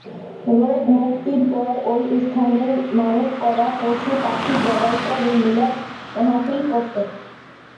রোগ মুক্তির পর ওই স্থানে মানত করা পশু পাখি জবাই করে মিলাদ মাহফিল করতো।